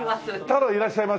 太郎いらっしゃいます？